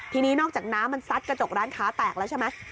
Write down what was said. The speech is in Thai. ทีนี้นอกจากน้ำมันซัดกระจกร้านค้าแตกแล้วใช่ไหม